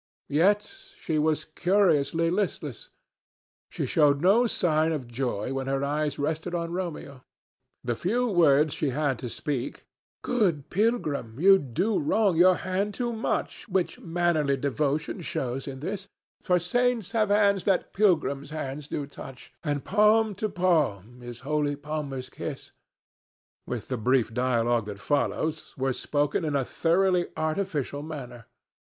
Yet she was curiously listless. She showed no sign of joy when her eyes rested on Romeo. The few words she had to speak— Good pilgrim, you do wrong your hand too much, Which mannerly devotion shows in this; For saints have hands that pilgrims' hands do touch, And palm to palm is holy palmers' kiss— with the brief dialogue that follows, were spoken in a thoroughly artificial manner.